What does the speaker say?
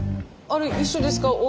あれ一緒ですか？